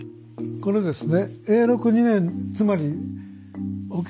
これですね